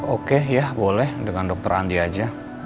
oke ya boleh dengan dr andi aja